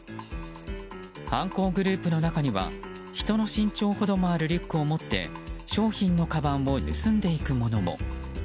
犯行グループの中には人の身長ほどもあるリュックを持って商品のかばんを盗んでいく者も。